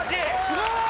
すごーい！